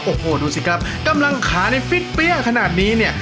โอ้โหดูสิครับกำลังขาในฟิตเปี้ยขนาดนี้เนี่ย